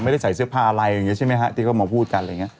ไม่ได้ขยะเสื้อภาค์อะไรใช่ไหมฮะมัที่ก็มาพูดกัน